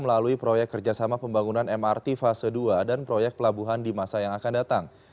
melalui proyek kerjasama pembangunan mrt fase dua dan proyek pelabuhan di masa yang akan datang